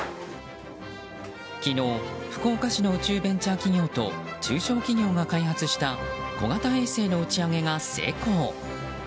昨日、福岡市の宇宙ベンチャー企業と中小企業が開発した小型衛星の打ち上げが成功。